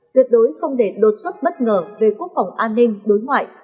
tuyệt đối không để đột xuất bất ngờ về quốc phòng an ninh đối ngoại